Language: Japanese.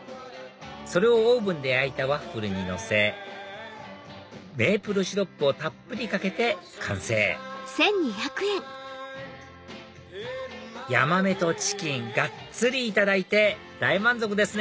それをオーブンで焼いたワッフルにのせメープルシロップをたっぷりかけて完成ヤマメとチキンがっつりいただいて大満足ですね